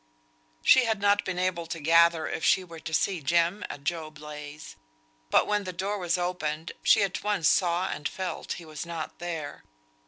She had not been able to gather if she were to see Jem at Job Legh's; but when the door was opened, she at once saw and felt he was not there.